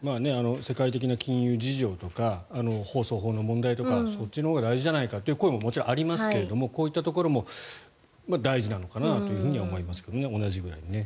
世界的な金融事情とか放送法の問題とかそっちのほうが大事じゃないかという声ももちろんありますがこういったところもまあ、大事なのかなとは思いますけどね同じくらいにね。